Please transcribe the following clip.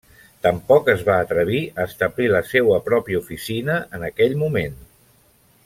Tampoc es va atrevir a establir la seua pròpia oficina en aquell moment.